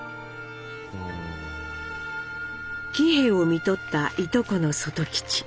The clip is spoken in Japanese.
喜兵衛をみとったいとこの外吉。